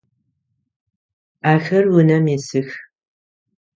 Ахэр унэм исых.